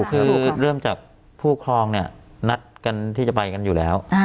คือเริ่มจากผู้ครองเนี่ยนัดกันที่จะไปกันอยู่แล้ว